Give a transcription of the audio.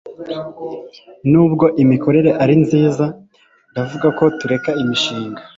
nubwo imikorere ari nziza, ndavuga ko tureka umushinga